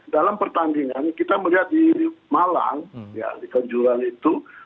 dalam pertandingan kita melihat di malang di kanjuran itu